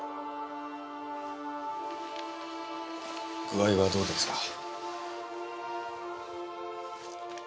具合はどうですか？